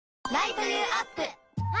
あ！